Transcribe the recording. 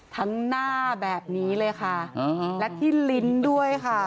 ทั้งหน้าแบบนี้เลยค่ะและที่ลิ้นด้วยค่ะ